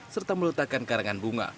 serta meletakkan karangan bunga